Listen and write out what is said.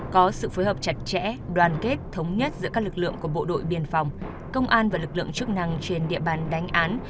có sự phối hợp chặt chẽ đoàn kết thống nhất giữa các lực lượng của bộ đội biên phòng công an và lực lượng chức năng trên địa bàn đánh án